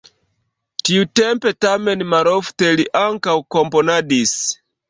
Tiutempe, tamen malofte li ankaŭ komponadis.